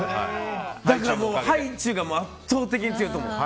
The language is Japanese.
だから、ハイチュウが圧倒的に強いと思う。